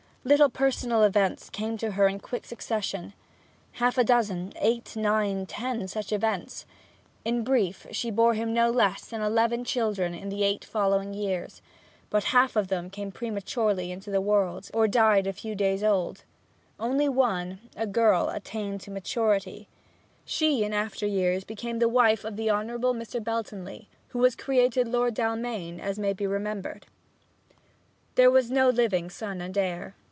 Little personal events came to her in quick succession half a dozen, eight, nine, ten such events, in brief; she bore him no less than eleven children in the eight following years, but half of them came prematurely into the world, or died a few days old; only one, a girl, attained to maturity; she in after years became the wife of the Honourable Mr. Beltonleigh, who was created Lord D'Almaine, as may be remembered. There was no living son and heir.